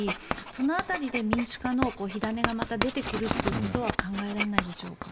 その辺りで民主化の火種がまた出てくるということは考えられないでしょうか？